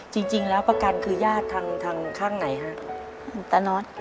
จริงแล้วป้ากันคือย่าดข้างไหนครับ